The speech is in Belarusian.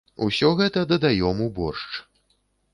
Усё гэта дадаём у боршч.